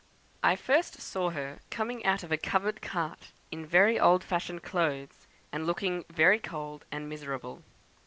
"I first saw her coming out of a covered cart, in very old fashioned clothes, and looking very cold and miserable.